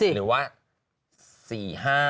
หรือว่า๔๕